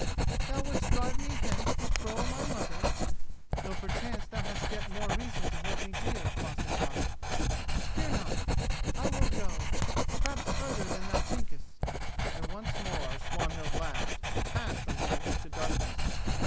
"Thou wouldst drive me hence with Groa my mother, though perchance thou hast yet more reason to hold me dear, foster father. Fear not: I will go—perhaps further than thou thinkest," and once more Swanhild laughed, and passed from him into the darkness.